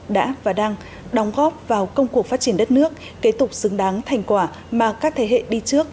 đã và đang đóng góp vào công cuộc phát triển đất nước kế tục xứng đáng thành quả mà các thế hệ đi trước